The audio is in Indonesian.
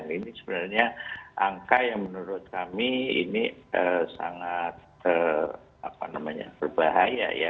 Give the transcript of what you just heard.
ini sebenarnya angka yang menurut kami ini sangat berbahaya ya